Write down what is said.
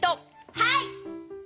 はい！